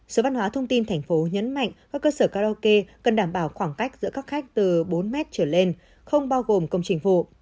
sở văn hóa thông tin tp hcm nhấn mạnh các cơ sở karaoke cần đảm bảo khoảng cách giữa các khách từ bốn m trở lên không bao gồm công trình vụ